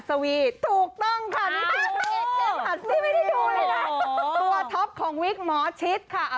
ตัวท็อปของวิกหมอชิดค่ะ